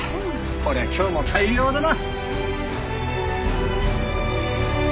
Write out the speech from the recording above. こりゃ今日も大漁だな。